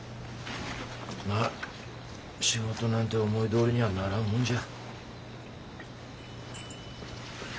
まあ仕事なんて思いどおりにゃならんもんじゃ。